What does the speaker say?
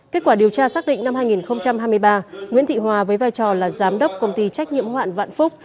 kết quả điều tra xác định năm hai nghìn hai mươi ba nguyễn thị hòa với vai trò là giám đốc công ty trách nhiệm hoạn vạn phúc